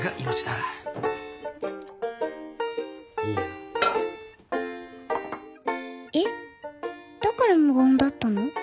だから無言だったの？